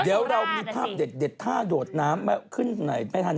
เดี๋ยวเรามีภาพเด็ดท่าโดดน้ำขึ้นไหนไม่ทัน